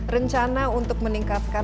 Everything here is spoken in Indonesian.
rencana untuk meningkatkan